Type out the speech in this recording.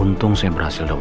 untung saya berhasil dapatkan